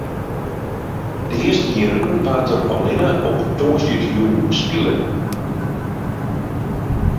De earste jierren waard der allinne op tongersdeitejûn spile.